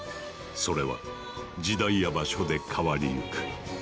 それは時代や場所で変わりゆく。